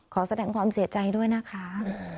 ขอแสดงความเสียใจด้วยนะคะ